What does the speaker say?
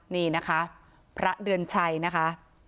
นี่นะคะพระเดือนชัยนะคะ